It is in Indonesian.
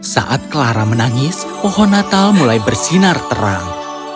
saat clara menangis pohon natal mulai bersinar terang